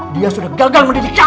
dia sudah gagal mendidik kamu